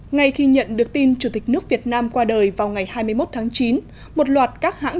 ngay khi nhận được tin chủ tịch nước việt nam qua đời vào ngày hai mươi một tháng chín một loạt các hãng